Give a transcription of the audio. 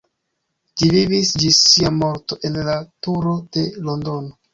Ĝi vivis ĝis sia morto en la turo de Londono.